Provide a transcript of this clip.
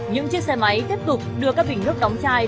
những chiếc xe máy tiếp tục đưa các bình nước đóng chai